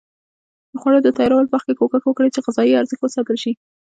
د خوړو د تیارولو په وخت کې کوښښ وکړئ چې غذایي ارزښت وساتل شي.